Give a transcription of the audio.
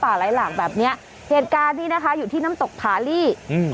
ไหลหลากแบบเนี้ยเหตุการณ์นี้นะคะอยู่ที่น้ำตกผาลี่อืม